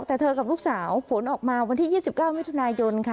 แต่เธอกับลูกสาวผลออกมาวันที่๒๙มิถุนายนค่ะ